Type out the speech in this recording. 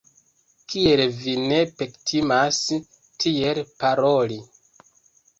Kiel vi ne pektimas tiel paroli!